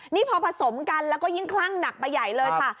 นี่พอผสมกันแล้วก็ยิ่งคลั่งหนักไปใหญ่เลยค่ะ